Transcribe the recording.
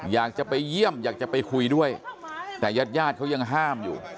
อยากจะไปเยี่ยมอยากจะไปคุยด้วยแต่ญาติญาติเขายังห้ามอยู่